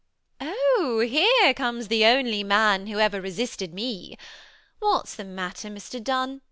Oh! here comes the only man who ever resisted me. What's the matter, Mr Dunn?